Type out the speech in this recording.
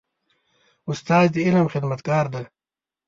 استاد د علم خدمتګار دی.